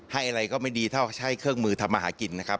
อะไรก็ไม่ดีเท่าใช้เครื่องมือทำมาหากินนะครับ